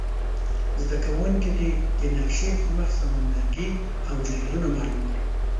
زده کوونکي دې د نقشي پر مخ سمندرګي او جهیلونه معلوم کړي.